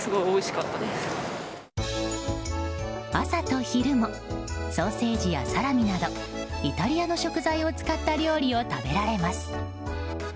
朝と昼もソーセージやサラミなどイタリアの食材を使った料理を食べられます。